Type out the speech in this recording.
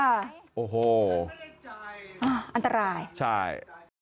อันตราย